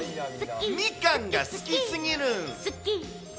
みかんが好き過ぎる。